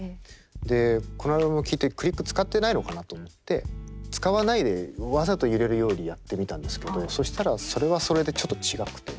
でこのアルバムを聴いてクリック使ってないのかなと思って使わないでわざと揺れるようにやってみたんですけどそしたらそれはそれでちょっと違くて。